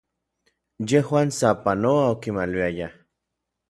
Yejuan sapanoa okimaluiayaj.